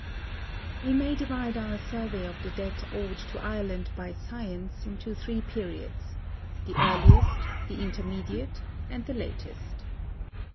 We may divide our survey of the debt owed to Ireland by science into three periods: the earliest, the intermediate, and the latest.